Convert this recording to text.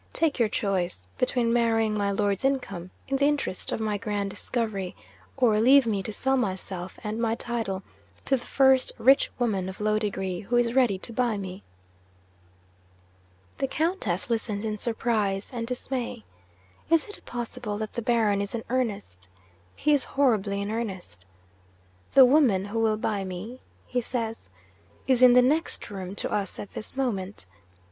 Take your choice, between marrying my Lord's income, in the interest of my grand discovery or leave me to sell myself and my title to the first rich woman of low degree who is ready to buy me." 'The Countess listens in surprise and dismay. Is it possible that the Baron is in earnest? He is horribly in earnest. "The woman who will buy me," he says, "is in the next room to us at this moment.